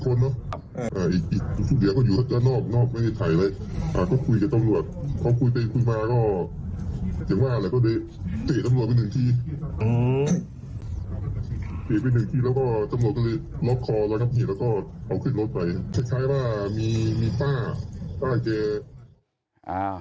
ก็เดี๋ยวต้องรวบสอบต่อไปนะครับพระบอลเป็นอะไรนะฮะ